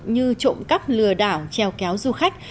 như trộm cắp lừa đảo treo kéo du khách